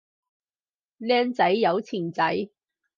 靚仔有錢仔